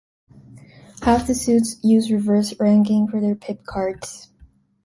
Half the suits use reverse ranking for their pip cards.